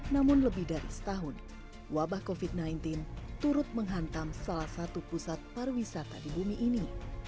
namun lebih dari setahun wabah covid sembilan belas turut menghantam salah satu pusat pariwisata di bumi ini